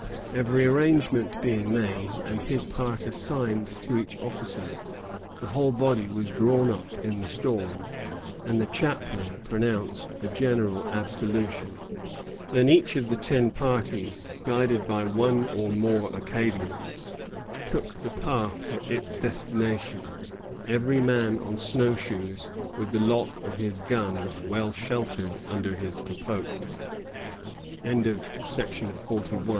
Every arrangement being made, and his part assigned to each officer, the whole body was drawn up in the storm, and the chaplain pronounced a general absolution. Then each of the ten parties, guided by one or more Acadians, took the path for its destination, every man on snow shoes, with the lock of his gun well sheltered under his capote. The largest party, under